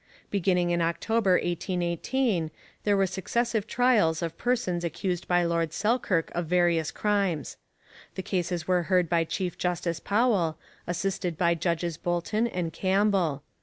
Beginning in October 1818, there were successive trials of persons accused by Lord Selkirk of various crimes. The cases were heard by Chief Justice Powell, assisted by Judges Boulton and Campbell.